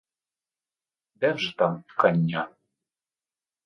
Де вже там ткання?